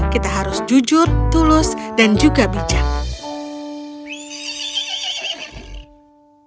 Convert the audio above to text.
kita harus jujur tulus dan juga berhati hati